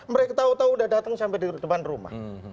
mereka tahu tahu sudah datang sampai di depan rumah